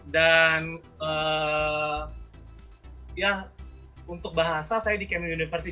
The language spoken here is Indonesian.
dan untuk bahasa saya di kmu university